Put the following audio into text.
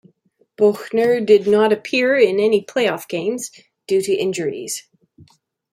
Boughner did not appear in any playoff games due to injuries.